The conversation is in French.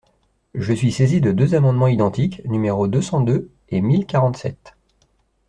Je suis saisi de deux amendements identiques, numéros deux cent deux et mille quarante-sept.